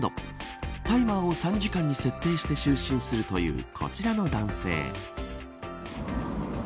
タイマーを３時間に設定して就寝するというこちらの男性。